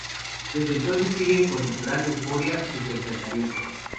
Desde entonces, se siguen con gran euforia sus enfrentamientos.